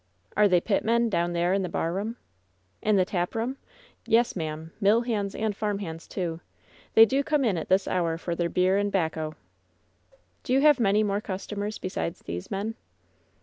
"Are they pitmen down there in the barroom 1" "In the taproom? Yes, ma'am. Mill hands, and farm hands, too. They do come in at this hour for their beer and 'bacco." *T)o you have many more customers besides these men?"